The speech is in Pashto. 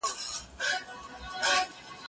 زه له سهاره سبزیحات تياروم!؟